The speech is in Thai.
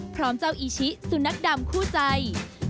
พร้อมเจ้าอีชิสุนัขดำคู่ใจ